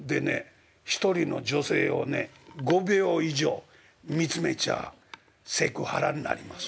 一人の女性をね５秒以上見つめちゃセクハラになります」。